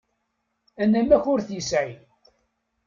Anamek ur t-yesεi.